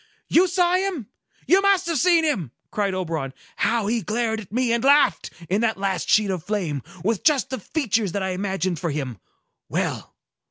"You saw him? You must have seen him!" cried Oberon. "How he glared at me and laughed, in that last sheet of flame, with just the features that I imagined for him! Well!